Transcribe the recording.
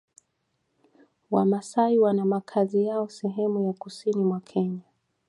Wamasai wana makazi yao sehemu za Kusini mwa Kenya